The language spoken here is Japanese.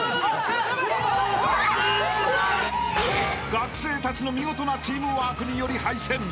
［学生たちの見事なチームワークにより敗戦］